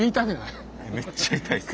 めっちゃ痛いです。